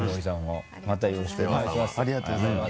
またよろしくお願いします。